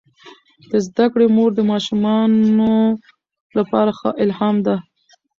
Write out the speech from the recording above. د زده کړې مور د ماشومانو لپاره ښه الهام ده.